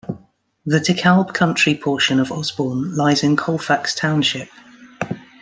The DeKalb Country portion of Osborn lies in Colfax Township.